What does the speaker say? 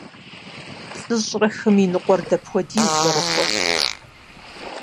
Плӏыщӏрэ хым и ныкъуэр дапхуэдиз зэрыхъур?